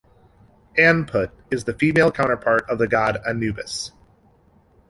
Anput is a female counterpart of the god Anubis.